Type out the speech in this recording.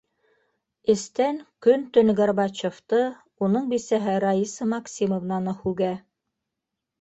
Эстән көн-төн Горбачевты, уның бисәһе Раиса Максимовнаны һүгә.